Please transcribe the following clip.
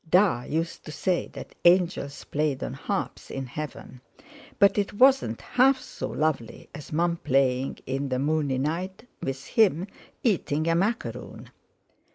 "Da" used to say that angels played on harps in heaven; but it wasn't half so lovely as Mum playing in the moony night, with him eating a macaroon.